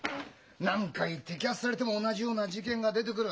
何回摘発されても同じような事件が出てくる。